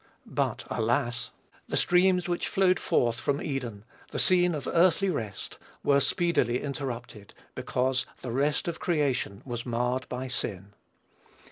But, alas! the streams which flowed forth from Eden the scene of earthly rest were speedily interrupted, because the rest of creation was marred by sin.